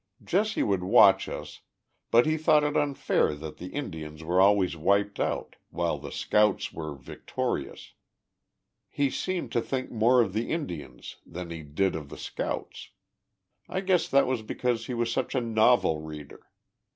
Jesse would watch us, but he thought it unfair that the In dians were always wiped out, while the scouts were victorious, lie seemed to think more of the Indians than he did of the scouts. 1 guess that was because he was such a novel reader.